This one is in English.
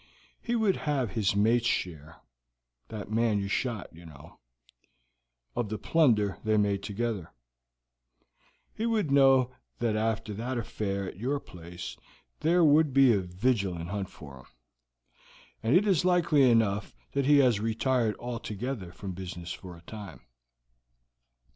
He would have his mate's share that man you shot, you know of the plunder they made together; he would know that after that affair at your place there would be a vigilant hunt for him, and it is likely enough that he has retired altogether from business for a time.